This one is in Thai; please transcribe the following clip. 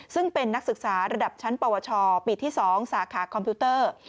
ซึ่งเป็นนักศึกษาระดับชั้นปวชปีที่๒สาขาคอมพิวเตอร์